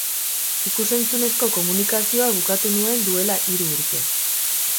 Ikus-entzunezko komunikazioa bukatu nuen duela hiru urte.